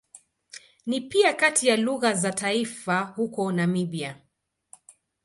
Ni pia kati ya lugha za taifa huko Namibia.